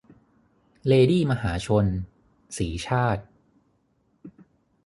เลดี้มหาชน - สีชาติ